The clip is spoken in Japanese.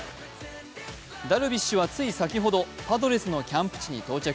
ダルビッシュは、つい先ほどパドレスのキャンプ地に到着。